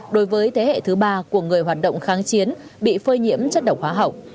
đối với thế hệ thứ ba của người hoạt động kháng chiến bị phơi nhiễm chất độc hóa học